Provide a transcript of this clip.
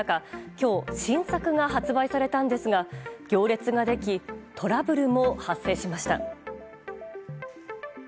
今日、新作が発売されたんですが行列ができトラブルも発生しました。